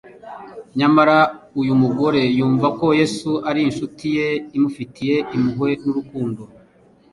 nyamara uyu mugore yumva ko Yesu ari inshuti ye, imufitiye impuhwe n’urukundo